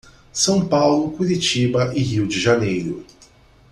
São Paulo, Curitiba e Rio de Janeiro.